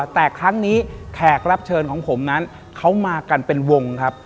แต่ครั้งนี้แขกรับเชิญของผมนั้นเขามากันเป็นวงครับ